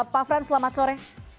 pak frans selamat sore